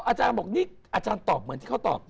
อาจารย์บอกนี่อาจารย์ตอบเหมือนที่เขาตอบ